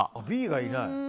Ｂがいない。